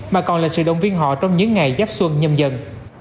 mà còn là sự động viên họ trong những ngày giáp xuân nhâm dần